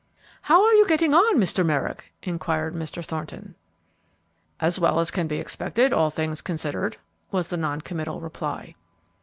"How are you getting on, Mr. Merrick?" inquired Mr. Thorton. "As well as can be expected, all things considered," was the non committal reply.